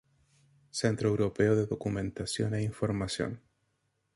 Centro Europeo de Documentación e Información.